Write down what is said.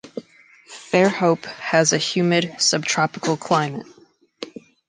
Fairhope has a humid subtropical climate.